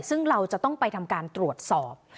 ซึ่งเราจะต้องไปทำการตรวจสอบ